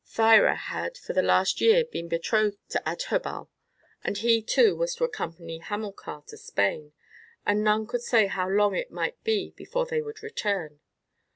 Thyra had for the last year been betrothed to Adherbal, and he, too, was to accompany Hamilcar to Spain, and none could say how long it might be before they would return.